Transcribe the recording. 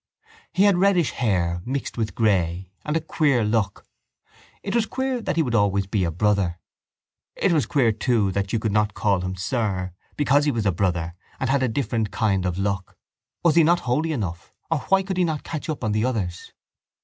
He had reddish hair mixed with grey and a queer look. It was queer that he would always be a brother. It was queer too that you could not call him sir because he was a brother and had a different kind of look. Was he not holy enough or why could he not catch up on the others?